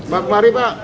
pak kemari pak